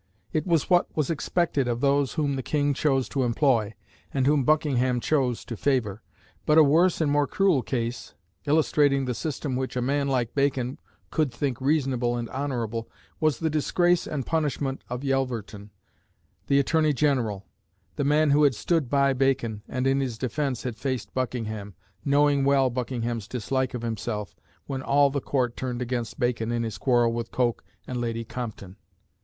It was what was expected of those whom the King chose to employ, and whom Buckingham chose to favour. But a worse and more cruel case, illustrating the system which a man like Bacon could think reasonable and honourable, was the disgrace and punishment of Yelverton, the Attorney General, the man who had stood by Bacon, and in his defence had faced Buckingham, knowing well Buckingham's dislike of himself, when all the Court turned against Bacon in his quarrel with Coke and Lady Compton.